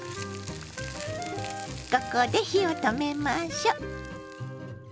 ここで火を止めましょ。